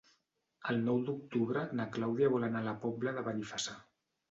El nou d'octubre na Clàudia vol anar a la Pobla de Benifassà.